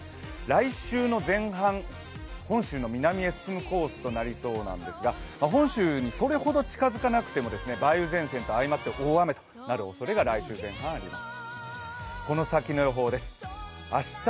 来週の前半、本州の南へ進むコースとなりそうなんですが本州にそれほど近づかなくても梅雨前線と相まって大雨となるおそれが来週前半あります。